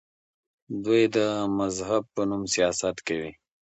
دوی د مذهب په نوم سیاست کوي.